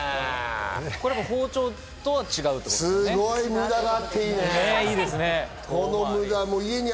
これは包丁とは違うっていうことですね。